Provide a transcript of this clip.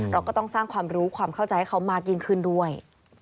เราก็ต้องสร้างความรู้ความเข้าใจให้เขามากยิ่งขึ้นด้วย